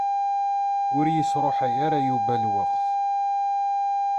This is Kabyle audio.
Ur yesṛuḥay ara Yuba lweqt.